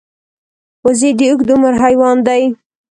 وزې د اوږد عمر حیوان دی